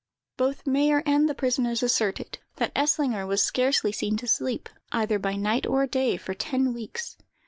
"Both Mayer and the prisoners asserted, that Eslinger was scarcely seen to sleep, either by night or day, for ten weeks.